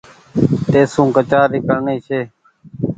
تيسو ڪچآري ڪرڻي ڇي